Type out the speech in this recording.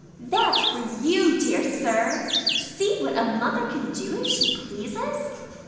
There's for you, dear Sir! See what a mother can do if she pleases!